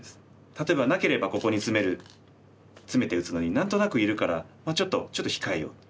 例えばなければここにツメるツメて打つのに何となくいるからちょっと控えよう。